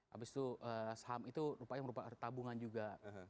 habis itu saham itu rupanya merupakan tabungan juga